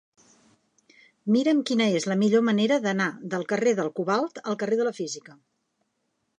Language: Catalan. Mira'm quina és la millor manera d'anar del carrer del Cobalt al carrer de la Física.